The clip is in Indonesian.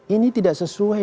ini tidak sesuai